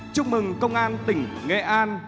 chúc mừng công an tỉnh nghệ an